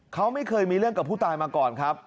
เขาไม่เคยมีเรื่องกับผู้ตายมาก่อนครับ